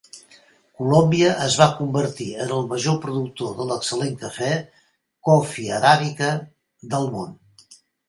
Colòmbia es va convertir en el major productor de l'excel·lent cafè "Coffea arabica" del món.